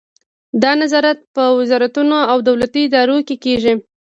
دا نظارت په وزارتونو او دولتي ادارو کې کیږي.